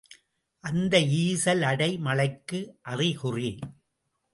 அந்தி ஈசல் அடை மழைக்கு அறிகுறி.